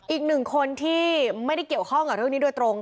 อีกหนึ่งคนที่ไม่ได้เกี่ยวข้องกับเรื่องนี้โดยตรง